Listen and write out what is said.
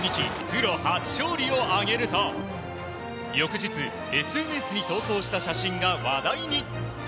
プロ初勝利を挙げると翌日ＳＮＳに投稿した写真が話題に。